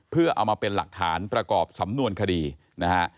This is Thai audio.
เพื่อเอามาเป็นหลักฐานประกอบสำนวนคดีนะฮะ